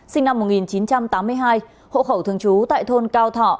sinh năm một nghìn chín trăm tám mươi hai hộ khẩu thường trú tại thôn cao thọ